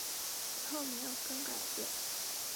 此后没有更改过。